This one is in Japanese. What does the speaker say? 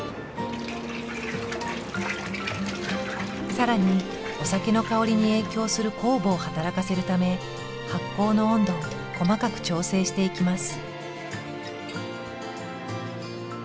更にお酒の香りに影響する酵母を働かせるため発酵の温度を細かく調整していきます。